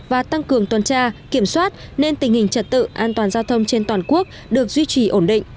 và tăng cường tuần tra kiểm soát nên tình hình trật tự an toàn giao thông trên toàn quốc được duy trì ổn định